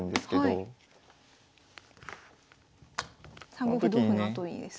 ３五歩同歩のあとにですね？